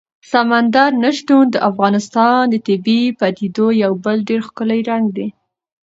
سمندر نه شتون د افغانستان د طبیعي پدیدو یو بل ډېر ښکلی رنګ دی.